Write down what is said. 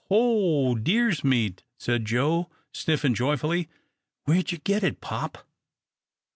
"Ho deer's meat!" said Joe, sniffing joyfully. "Where'd you get it, pop?"